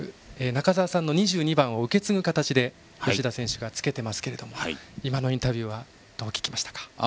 中澤さんの２２番を受け継ぐ形で吉田選手がつけていますが今のインタビュー、どうでしたか。